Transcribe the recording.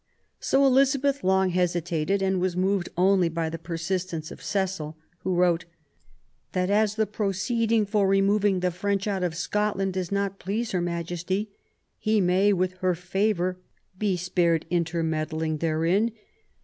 So Elizabeth long hesitated, and was moved only by the persistence of Cecil, who wrote that as the proceeding for remov ing the French out of Scotland does not please Her Majesty, he may, with her favour, be spared inter meddling therein.